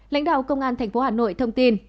lãnh đạo công an tp hà nội thông tin